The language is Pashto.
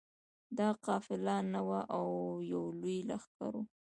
دا قافله نه وه او یو لوی لښکر وو.